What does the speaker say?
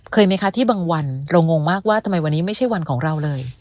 ไหมคะที่บางวันเรางงมากว่าทำไมวันนี้ไม่ใช่วันของเราเลย